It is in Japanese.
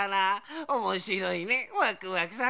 おもしろいねワクワクさん。